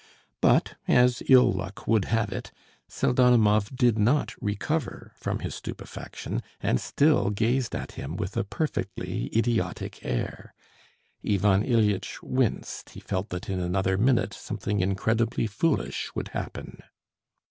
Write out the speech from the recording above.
But as ill luck would have it, Pseldonimov did not recover from his stupefaction, and still gazed at him with a perfectly idiotic air. Ivan Ilyitch winced, he felt that in another minute something incredibly foolish would happen.